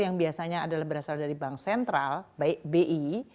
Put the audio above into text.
yang biasanya adalah berasal dari bank sentral baik bi